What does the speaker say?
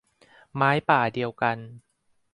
ไม้ป่าเดียวกัน